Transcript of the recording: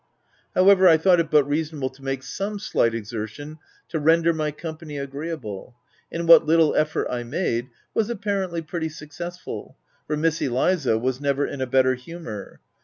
However, I thought it but reasonable to make some slight exertion to render my company agreeable ; and what little effort 1 made, was apparently pretty successful, for Miss Eliza was never in a better humour.